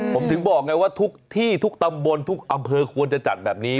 ผมถึงบอกไงว่าทุกที่ทุกตำบลทุกอำเภอควรจะจัดแบบนี้